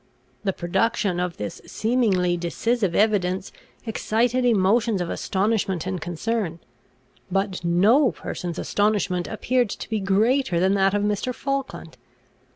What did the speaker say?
The production of this seemingly decisive evidence excited emotions of astonishment and concern; but no person's astonishment appeared to be greater than that of Mr. Falkland.